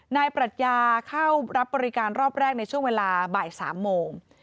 ปรัชญาเข้ารับบริการรอบแรกในช่วงเวลาบ่าย๓โมง